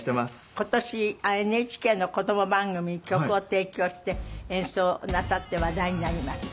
今年ＮＨＫの子供番組に曲を提供して演奏をなさって話題になりました。